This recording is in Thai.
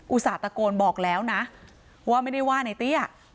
ส่าห์ตะโกนบอกแล้วนะว่าไม่ได้ว่าในเตี้ย